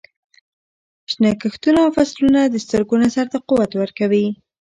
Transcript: شنه کښتونه او فصلونه د سترګو نظر ته قوت ورکوي.